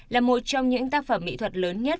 là một trong những tác phẩm mỹ thuật lớn nhất